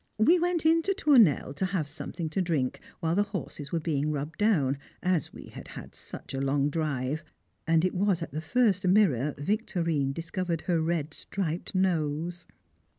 We went in to Tournelle to have something to drink, while the horses were being rubbed down, as we had had such a long drive; and it was at the first mirror Victorine discovered her red striped nose.